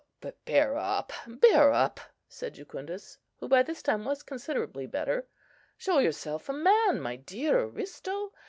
"Bear up! bear up!" said Jucundus, who by this time was considerably better; "show yourself a man, my dear Aristo.